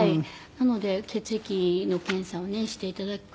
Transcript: なので血液の検査をねして頂くと。